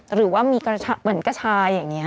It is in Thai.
หรือว่ามีกระเหมือนกระชายอย่างนี้